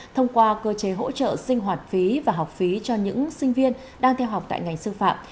thông qua cơ chế hỗ trợ sinh hoạt phí và học phí cho những sinh viên đang theo học tại ngành sư phạm